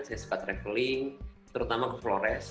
saya suka travelling terutama ke flores